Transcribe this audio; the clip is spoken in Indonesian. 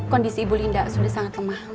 kondisi ibu linda sudah sangat lemah